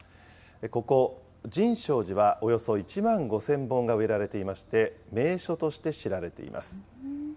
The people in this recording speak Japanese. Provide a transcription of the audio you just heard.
ここ、神照寺はおよそ１万５０００本が植えられていまして、名所として知られています。